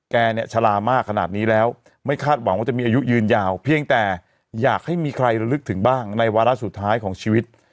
แกเนี่ยชะลามากขนาดนี้แล้วไม่คาดหวังว่าจะมีอายุยืนยาวเพียงแต่อยากให้มีใครระลึกถึงบ้างในวาระสุดท้ายของชีวิต